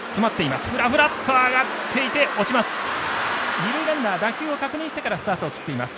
二塁ランナー打球を確認してからスタートを切っています。